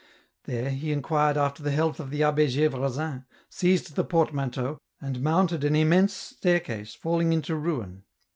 There, he inquired after the health of the Abbd G^vresin, seized the portmanteau, and mounted an immense stair case falling into ruin.